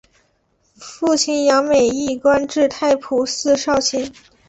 父亲杨美益官至太仆寺少卿。